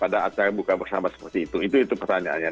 pada acara buka bersama seperti itu itu pertanyaannya